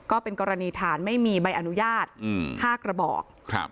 ก็เป็นกรณีฐานไม่มีใบอนุญาต๕กระบอก